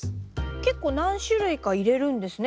結構何種類か入れるんですね